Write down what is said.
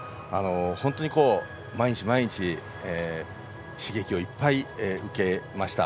本当に毎日毎日刺激をいっぱい受けました。